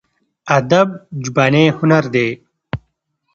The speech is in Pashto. ادب ژبنی هنر دی.